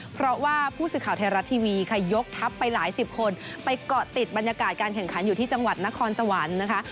เพราะว่าผู้สื่อข่าวไทยรัฐทีวีค่ะยกทัพไปหลายสิบคนไปเกาะติดบรรยากาศการแข่งขันอยู่ที่จังหวัดนครสวรรค์นะคะ